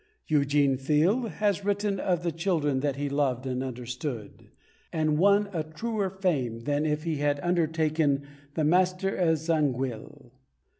Eugene Field has written of the children that he loved and understood, and won a truer fame than if he had undertaken The Master of Zangwill.